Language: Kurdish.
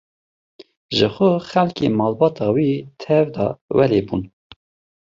Ji xwe xelkê malbata wî tev de welê bûn.